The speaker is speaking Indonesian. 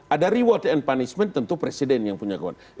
ada reward and punishment tentu presiden yang punya kewenangan